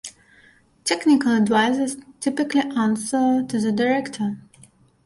Technical advisors typically answer to the director.